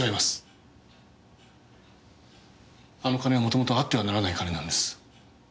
あの金は元々あってはならない金なんです。